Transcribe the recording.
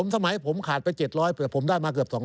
สมัยที่ผมขาดไป๗๐๐ผมแต่ผมได้มาเกือบ๒๐๐